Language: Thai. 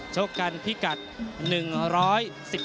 ชกกันพี่กัด๑๑๕ปอนด์